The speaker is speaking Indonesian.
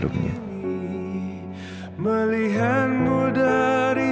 supportnya banyak sekali